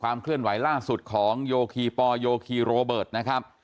เคลื่อนไหวล่าสุดของโยคีปอลโยคีโรเบิร์ตนะครับ